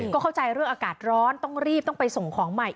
ก็เข้าใจเรื่องอากาศร้อนต้องรีบต้องไปส่งของใหม่